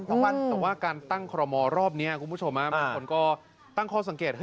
แต่ว่าการตั้งคอรมอลรอบนี้คุณผู้ชมบางคนก็ตั้งข้อสังเกต